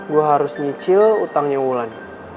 gue harus nyicil utangnya wulan